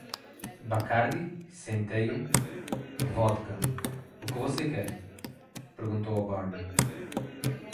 "Bacardi? centeio? vodka - o que você quer?"? perguntou ao barman.